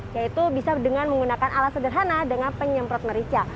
yaitu bisa dengan menggunakan alat sederhana dengan penyemprot merica